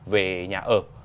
về nhà ở